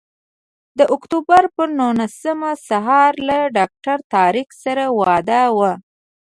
د اکتوبر پر نولسمه سهار له ډاکټر طارق سره وعده وه.